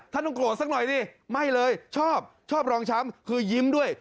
ต้องโกรธสักหน่อยดิไม่เลยชอบชอบรองช้ำคือยิ้มด้วย